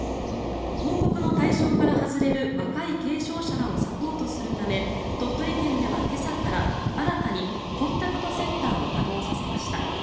報告の対象から外れる若い軽症者らをサポートするため鳥取県では今朝から新たにコンタクトセンターを稼働させました。